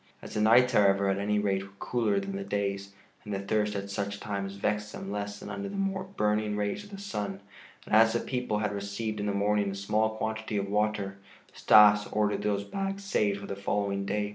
As the nights, however, at any rate were cooler than the days, and the thirst at such times vexed them less than under the burning rays of the sun, and as the people had received in the morning a small quantity of water, Stas ordered those bags saved for the following day.